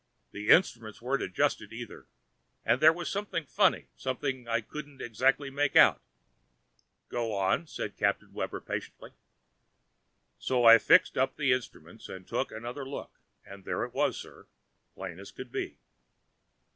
The instruments weren't adjusted, either; but there was something funny, something I couldn't make out exactly." "Go on," said Captain Webber, patiently. "So I fixed up the instruments and took another look, and there it was, sir, plain as could be!"